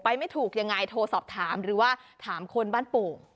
ไม่ถูกยังไงโทรสอบถามหรือว่าถามคนบ้านโป่ง